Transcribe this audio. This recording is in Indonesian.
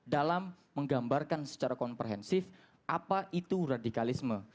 dalam menggambarkan secara komprehensif apa itu radikalisme